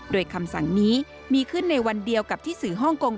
โดยคำสั่งนี้มีขึ้นในวันเดียวกับที่สื่อฮ่องกง